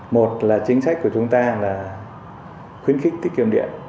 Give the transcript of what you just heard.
một là chính sách của chúng ta là khuyến khích tiết kiệm điện